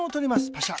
パシャ。